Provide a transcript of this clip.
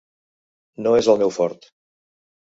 No és el meu fort.